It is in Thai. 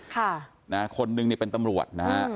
ค่ะนะฮะคนนึงนี่เป็นตำรวจนะฮะ